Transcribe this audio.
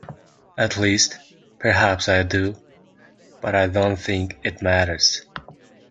At least, perhaps I do, but I don't think it matters.